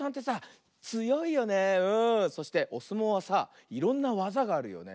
そしておすもうはさいろんなわざがあるよね。